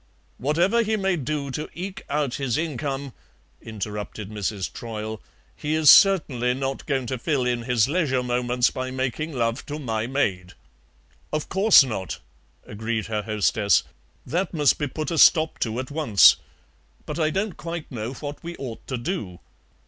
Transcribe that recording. "Whatever he may do to eke out his income," interrupted Mrs. Troyle, "he is certainly not going to fill in his leisure moments by making love to my maid." "Of course not," agreed her hostess; "that must be put a stop to at once. But I don't quite know what we ought to do."